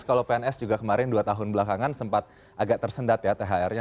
kalau pns juga kemarin dua tahun belakangan sempat agak tersendat ya thr nya